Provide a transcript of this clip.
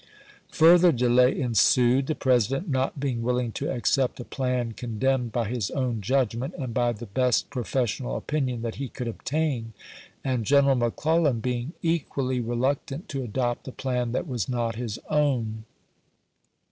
Further delay ensued, the President not being willing to accept a plan con demned by his own judgment and by the best pro fessional opinion that he could obtain, and General McClellan being equally reluctant to adopt a plan that was not his own.